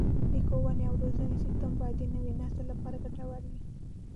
د ښوونې او روزنې سیستم باید د نوي نسل لپاره ګټور وي.